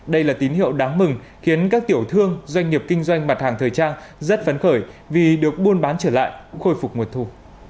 đây là tín hiệu đáng mừng khiến các tiểu thương doanh nghiệp kinh doanh mặt hàng thời trang rất phấn khởi vì được buôn bán trở lại cũng khôi phục nguồn thu